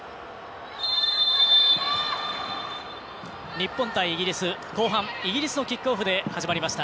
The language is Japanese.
日本対イギリス後半イギリスのキックオフで始まりました。